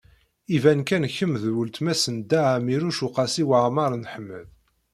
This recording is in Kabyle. Iban kan kemm d weltma-s n Dda Ɛmiiruc u Qasi Waɛmer n Ḥmed.